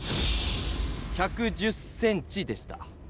１１０ｃｍでした。